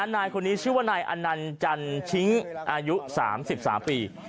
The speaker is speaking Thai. นายคนนี้ชื่อว่านายอนันต์จันชิงอายุ๓๓ปี